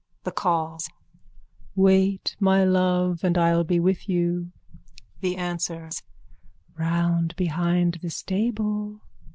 _ THE CALLS: Wait, my love, and I'll be with you. THE ANSWERS: Round behind the stable.